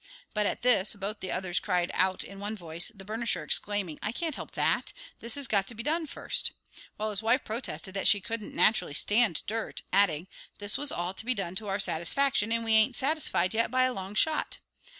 But at this both the others cried out in one voice, the burnisher exclaiming: "I can't help that, this has got to be done first," while his wife protested that she couldn't naturally stand dirt, adding, "This all was to be done to our satisfaction, and we ain't satisfied yet by a long shot."